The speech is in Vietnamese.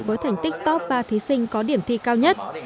với thành tích top ba thí sinh có điểm thi cao nhất